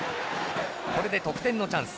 これで得点のチャンス。